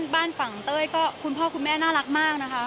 บ้านฝั่งเต้ยก็คุณพ่อคุณแม่น่ารักมากนะคะ